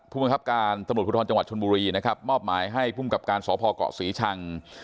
ผู้บังคับการตำรวจภูทรจังหวัดชนบุรีนะครับมอบหมายให้ภูมิกับการสพเกาะศรีชัง